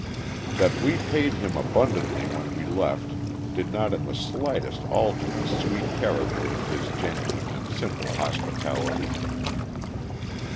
] That we paid him abundantly when we left did not in the slightest alter the sweet character of his genuine and simple hospitality.